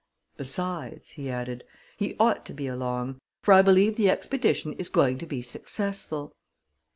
Besides," he added, "he ought to be along: for I believe the expedition is going to be successful!"